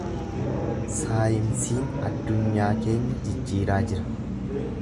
Saayinsiin addunyaa keenya jijjiiraa jira.